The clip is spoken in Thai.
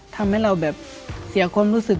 ทำให้เราแบบเสียความรู้สึก